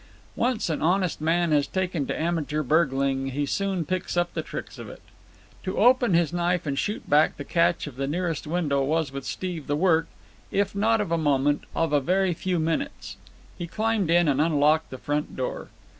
Once an honest man has taken to amateur burgling he soon picks up the tricks of it. To open his knife and shoot back the catch of the nearest window was with Steve the work, if not of a moment, of a very few minutes. He climbed in and unlocked the front door.